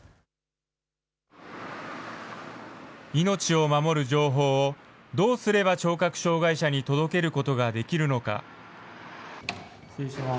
命を守る情報をどうすれば聴覚障害者に届けることができるのか。